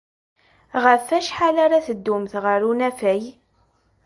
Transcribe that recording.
Ɣef wacḥal ara teddumt ɣer unafag?